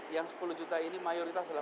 yang sepuluh juta ini mayoritas adalah